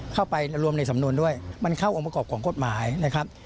เข้าไปรวมในสำนวนด้วยมันเข้าองค์ประกอบของกฎหมายนะครับ